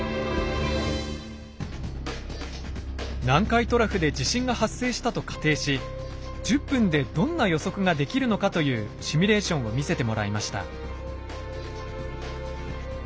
南海トラフで地震が発生したと仮定し１０分でどんな予測ができるのかというシミュレーションを見せてもらいました。